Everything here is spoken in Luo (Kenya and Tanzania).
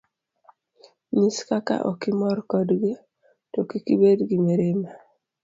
Nyis kaka okimor kodgi, to kik ibed gi mirima.